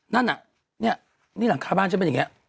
นั่นน่ะนี่หลังคาบ้านใช่ไหมอย่างนี้